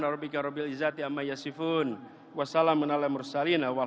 jadikan perbedaan antara kami sebagai penguat